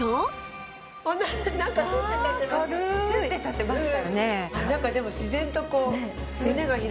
スッて立てましたよね。